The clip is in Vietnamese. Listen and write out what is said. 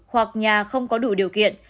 hoặc nhà không có đủ điều kiện